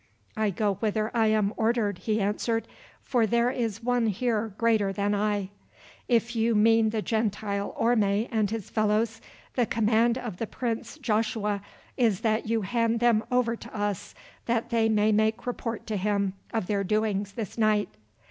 "I go whither I am ordered," he answered, "for there is one here greater than I." "If you mean the Gentile Orme and his fellows, the command of the Prince Joshua is that you hand them over to us that they may make report to him of their doings this night."